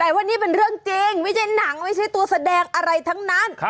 แต่ว่านี่เป็นเรื่องจริงไม่ใช่หนังไม่ใช่ตัวแสดงอะไรทั้งนั้น